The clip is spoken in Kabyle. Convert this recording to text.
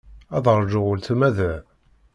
Ad ṛjuɣ weltma da.